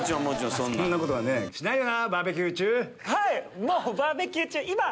そんなことはしないよな。